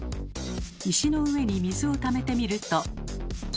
石の上に水をためてみると。